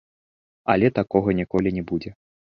Але такога ніколі не будзе.